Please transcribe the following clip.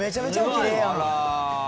「きれいやな」